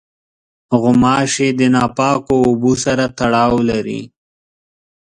غوماشې د ناپاکو اوبو سره تړاو لري.